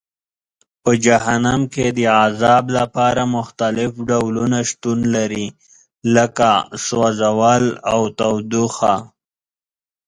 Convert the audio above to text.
په جهنم کې د عذاب لپاره مختلف ډولونه شتون لري لکه سوځول او تودوخه.